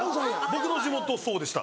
僕の地元そうでした。